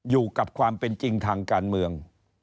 อยู่กับความเป็นจริงทางการเมือง